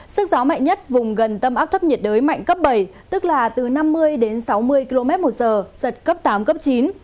sức gió mạnh nhất vùng gần tâm áp thấp nhiệt đới mạnh cấp bảy tức là từ năm mươi đến sáu mươi km một giờ giật cấp tám cấp chín